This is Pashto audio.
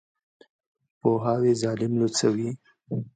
پوهاوی ظالم لوڅوي.